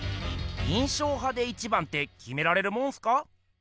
印象派で一番ってきめられるもんすか？